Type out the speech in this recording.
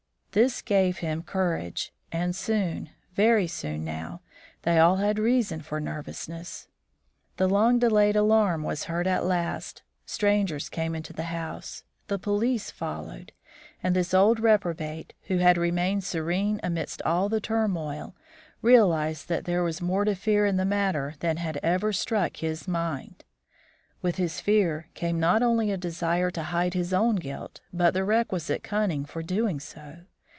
This gave him courage, and soon, very soon now, they all had reason for nervousness. The long delayed alarm was heard at last; strangers came into the house; the police followed, and this old reprobate, who had remained serene amidst all the turmoil, realised that there was more to fear in the matter than had ever struck his mind. With this fear came not only a desire to hide his own guilt, but the requisite cunning for doing so.